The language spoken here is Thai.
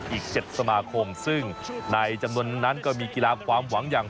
อีก๗สมาคมซึ่งในจำนวนนั้นก็มีกีฬาความหวังอย่าง